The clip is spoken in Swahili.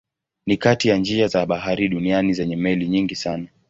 Ni kati ya njia za bahari duniani zenye meli nyingi sana.